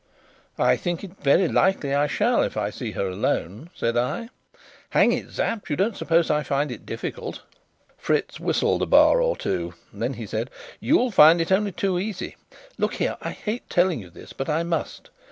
"I think it is very likely I shall, if I see her alone," said I. "Hang it, Sapt, you don't suppose I find it difficult?" Fritz whistled a bar or two; then he said: "You'll find it only too easy. Look here, I hate telling you this, but I must.